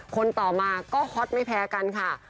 คนต่อมาก็ฮอตไม่แพ้กันค่ะ